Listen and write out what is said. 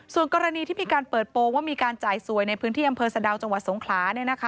ส่วนกรณีที่มีการเปิดโปรงว่ามีการจ่ายสวยในพื้นที่อำเภอสะดาวจังหวัดสงขลา